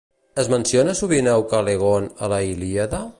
Es menciona sovint a Ucalegont a la Ilíada?